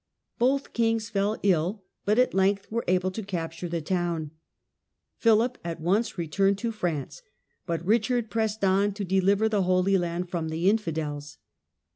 Both kings fell ill, but at length were able to capture the town. Philip at once returned to France, but Richard pressed on to deliver the Holy I^nd from the infidels.